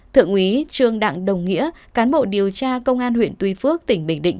thượng úy trương đặng đồng nghĩa cán bộ điều tra công an huyện tuy phước tỉnh bình định